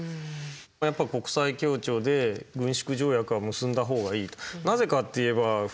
やっぱ国際協調で軍縮条約は結んだほうがいいと。